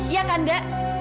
iya kan da